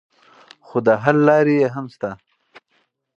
خو د حل لارې یې هم شته.